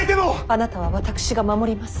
あなたは私が守ります。